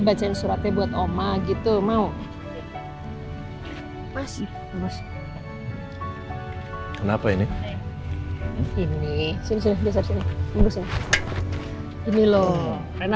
main suratnya buat oma gitu mau masih bagus kenapa ini ini sini sini sini ini loh karena